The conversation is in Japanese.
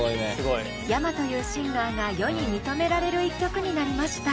ｙａｍａというシンガーが世に認められる一曲になりました。